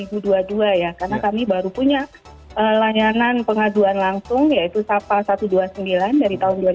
karena kami baru punya layanan pengaduan langsung yaitu sapa satu ratus dua puluh sembilan dari tahun dua ribu dua puluh satu